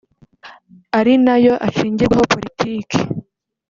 ari nayo ashingirwaho politiki